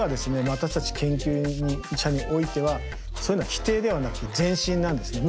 私たち研究者においてはそういうのは否定ではなくて前進なんですね。